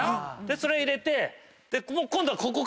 それ入れて。